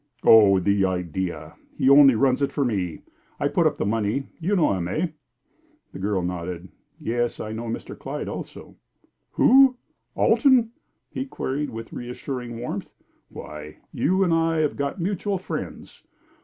"Oh, the idea! He only runs it for me. I put up the money. You know him, eh?" The girl nodded. "Yes; I know Mr. Clyde also." "Who Alton?" he queried, with reassuring warmth. "Why, you and I have got mutual friends.